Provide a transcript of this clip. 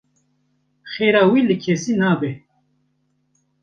Xêra wî li kesî nabe.